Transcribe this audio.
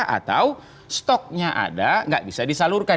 atau stoknya ada nggak bisa disalurkan